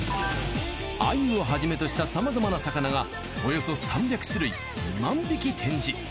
アユをはじめとしたさまざまな魚がおよそ３００種類２万匹展示。